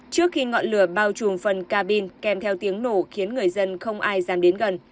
trước khi ngọn lửa bao trùm phần ca bin kèm theo tiếng nổ khiến người dân không ai dám đến gần